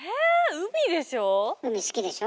海好きでしょ？